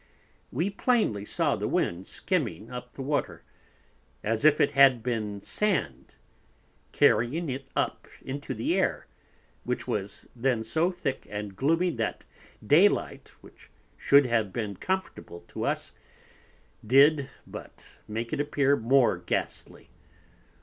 We plainly saw the Wind skimming up the Water, as if it had been Sand, carrying it up into the Air, which was then so thick and gloomy, that Day light, which should have been comfortable to us, did, but make it appear more ghastly.